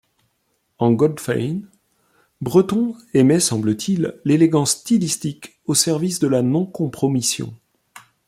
En Goldfayn, Breton aimait semble-t-il l'élégance stylistique au service de la non-compromission.